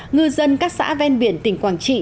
ngư dân các xã ven biển tỉnh quảng trị